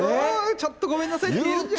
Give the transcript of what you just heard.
ちょっとごめんなさいって。